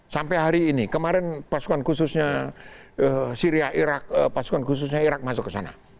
sampai hari ini kemarin pasukan khususnya syria irak pasukan khususnya irak masuk ke sana